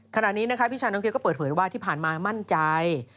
ขณะนี้นะคะพี่ชายน้องเกียร์ก็เปิดเผยว่าที่ผ่านมามั่นใจ